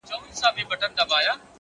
د فکرونه، ټوله مزخرف دي،